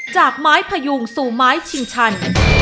จากไม้พยุงสู่ไม้ชิงชัน